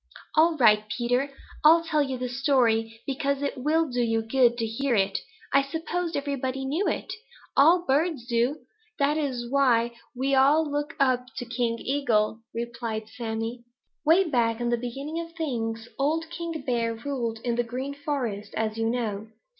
"All right, Peter. I'll tell you the story, because it will do you good to hear it. I supposed everybody knew it. All birds do. That is why we all look up to King Eagle," replied Sammy. "Way back in the beginning of things, old King Bear ruled in the Green Forest, as you know.